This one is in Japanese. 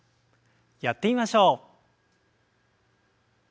やってみましょう。